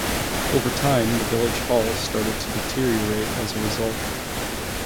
Over time the village hall started to deteriorate as a result.